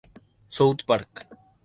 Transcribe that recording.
South Park.